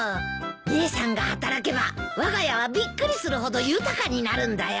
姉さんが働けばわが家はびっくりするほど豊かになるんだよ。